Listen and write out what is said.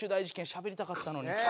しゃべりたかったのに。